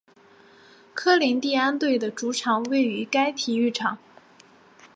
科林蒂安队的主场位于该体育场。